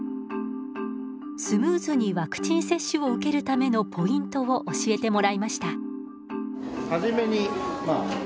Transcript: スムーズにワクチン接種を受けるためのポイントを教えてもらいました。